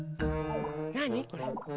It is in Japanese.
なにこれ？